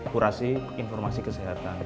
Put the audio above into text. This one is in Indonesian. kurasi informasi kesehatan